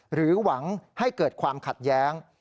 หรือหวังให้เกิดความขัดแย้ง